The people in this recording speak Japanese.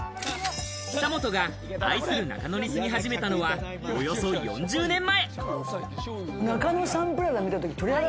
久本が愛する中野に住み始めたのは、およそ４０年前。